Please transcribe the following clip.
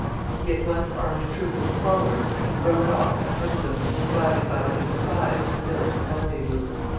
He at once armed a troop of his followers and rode off at the head of them, guided by one of the spies, to the village of rendezvous.